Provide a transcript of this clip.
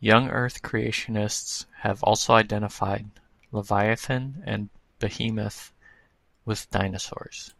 Young Earth Creationists have also identified Leviathan and Behemoth with dinosaurs.